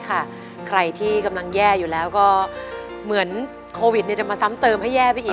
ใครที่กำลังแย่อยู่แล้วก็เหมือนโควิดจะมาซ้ำเติมให้แย่ไปอีก